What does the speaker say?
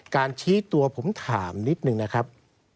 ชี้ตัวผมถามนิดนึงนะครับ